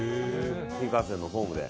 新幹線のホームで。